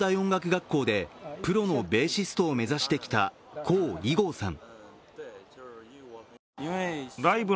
学校でプロのベーシストを目指してきた黄偉豪さん。